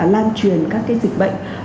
lan truyền các dịch bệnh